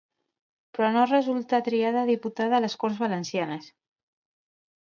Però no resultà triada diputada a les Corts Valencianes.